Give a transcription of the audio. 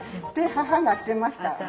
母がしてました。